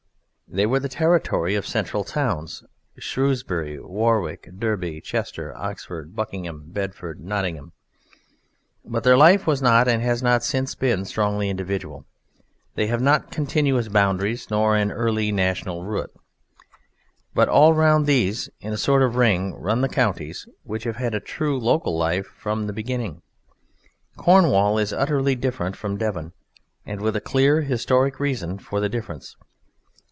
They were the territory of central towns: Shrewsbury, Warwick, Derby, Chester, Oxford, Buckingham, Bedford, Nottingham. But their life was not and has not since been strongly individual. They have not continuous boundaries nor an early national root. But all round these, in a sort of ring, run the counties which have had true local life from the beginning. Cornwall is utterly different from Devon, and with a clear historic reason for the difference.